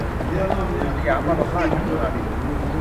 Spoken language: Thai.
สยามบรมราชกุมารี